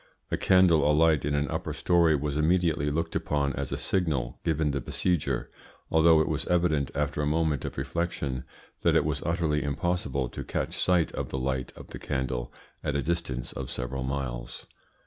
A candle alight in an upper story was immediately looked upon as a signal given the besiegers, although it was evident, after a moment of reflection, that it was utterly impossible to catch sight of the light of the candle at a distance of several miles.